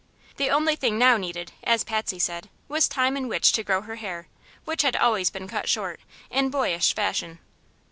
The only thing now needed, as Patsy said, was time in which to grow her hair, which had always been cut short, in boyish fashion.